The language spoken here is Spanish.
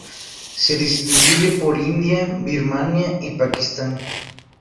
Se distribuye por India, Birmania y Pakistán.